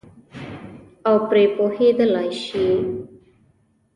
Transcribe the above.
او پرې پوهېدلای شي.